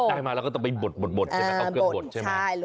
ได้มาแล้วก็ต้องไปบดใช่ไหม